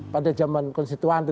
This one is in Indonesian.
pada zaman konstituante